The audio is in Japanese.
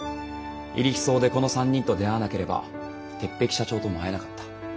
入日荘でこの３人と出会わなければ鉄壁社長とも会えなかった。